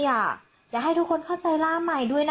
อยากให้ทุกคนเข้าใจล่าใหม่ด้วยนะ